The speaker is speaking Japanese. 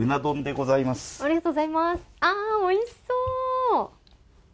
おいしそう！